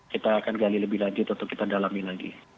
kita akan gali lebih lanjut atau kita dalami lagi